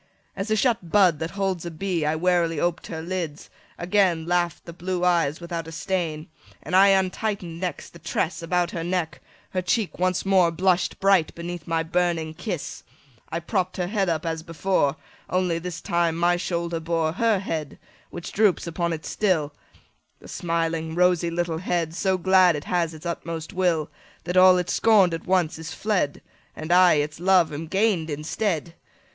As a shut bud that holds a bee, I warily oped her lids: again Laugh'd the blue eyes without a stain. 45 And I untighten'd next the tress About her neck; her cheek once more Blush'd bright beneath my burning kiss: I propp'd her head up as before, Only, this time my shoulder bore 50 Her head, which droops upon it still: The smiling rosy little head, So glad it has its utmost will, That all it scorn'd at once is fled, And I, its love, am gain'd instead!